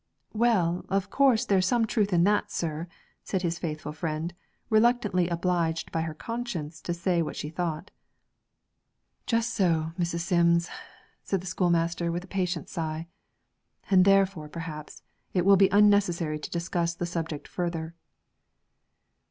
'Well, of course there's some truth in that, sir,' said his faithful friend, reluctantly obliged by her conscience to say what she thought. 'Just so, Mrs. Sims,' said the schoolmaster with a patient sigh; 'and therefore, perhaps it will be unnecessary to discuss the subject further.'